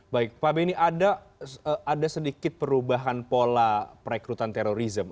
baik pak beni ada sedikit perubahan pola perekrutan terorisme